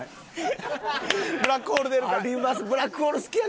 ブラックホール出るか？